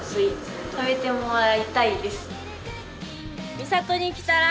美郷に来たら。